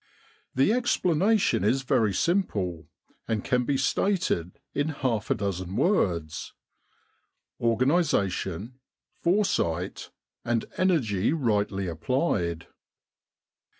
The explanation is very simple, and can be stated in half a dozen words: Organisation, foresight, and energy rightly applied.